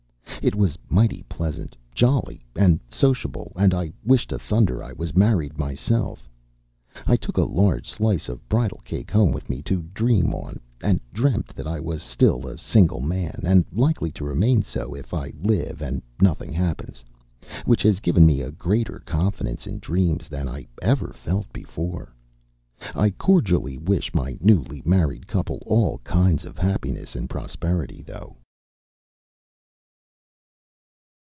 It was mighty pleasant, jolly and sociable, and I wish to thunder I was married myself. I took a large slice of bridal cake home with me to dream on, and dreamt that I was still a single man, and likely to remain so, if I live and nothing happens which has given me a greater confidence in dreams than I ever felt before. I cordially wish my newly married couple all kinds of happiness and prosperity, though.